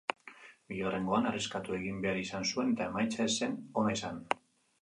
Bigarrengoan arriskatu egin behar izan zuen eta emaitza ez zen ona izan.